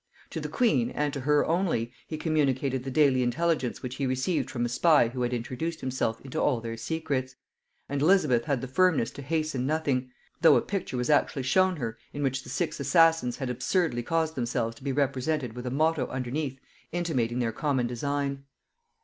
To the queen, and to her only, he communicated the daily intelligence which he received from a spy who had introduced himself into all their secrets; and Elizabeth had the firmness to hasten nothing, though a picture was actually shown her, in which the six assassins had absurdly caused themselves to be represented with a motto underneath intimating their common design.